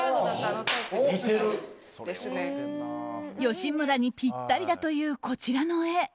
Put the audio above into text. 吉村にぴったりだというこちらの絵。